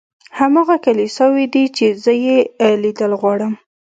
هماغه کلیساوې دي چې زه یې لیدل غواړم.